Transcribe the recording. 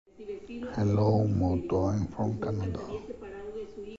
Two of the accused were acquitted.